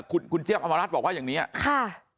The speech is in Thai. คุณคุณเจี๊ยบอมรัฐบอกว่าอย่างนี้ค่ะ